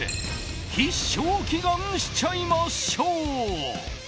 必勝祈願しちゃいましょう。